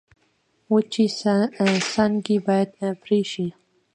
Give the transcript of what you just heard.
وچې څانګې باید پرې شي.